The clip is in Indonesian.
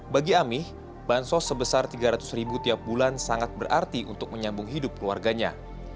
bagi amih bansos sebesar tiga ratus ribu tiap bulan sangat berarti untuk menyambung hidup keluarganya